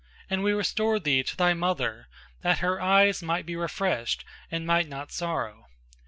and we restored thee to thy mother that her eyes might be refreshed and might not sorrow.